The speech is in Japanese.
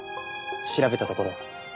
調べたところ